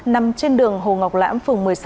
nằm trên đường hồ ngọc lãm phường một mươi sáu